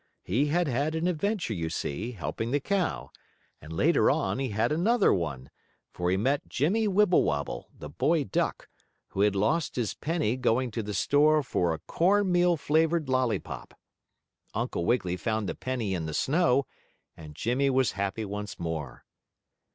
He had had an adventure, you see, helping the cow, and later on he had another one, for he met Jimmie Wibblewobble, the boy duck, who had lost his penny going to the store for a cornmeal flavored lollypop. Uncle Wiggily found the penny in the snow, and Jimmie was happy once more.